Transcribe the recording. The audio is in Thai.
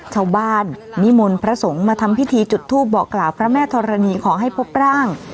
ชาวบ้านนิมนต์พระสงฆ์มาทำพิธีจุดทูปบอกกล่าวพระแม่ธรณีขอให้พบร่าง